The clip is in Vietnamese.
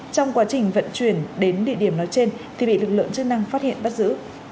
trong quá trình vận chuyển đến địa điểm nói trên thì bị lực lượng chức năng phát hiện bắt giữ